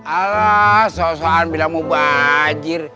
alah sosokan bilang mau wazir